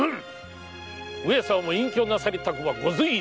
上様も隠居なさりたくばご随意に。